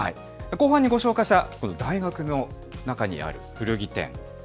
後半にご紹介した、大学の中にある古着店。